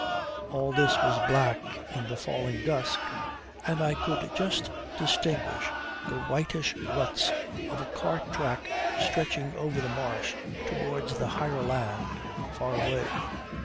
All this was black in the falling dusk, and I could just distinguish the whitish ruts of a cart track stretching over the marsh towards the higher land, far away.